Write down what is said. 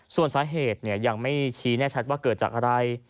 ส่วนสาเหตุยังไม่ชี้แน่ชัดว่าเกิดจากอะไร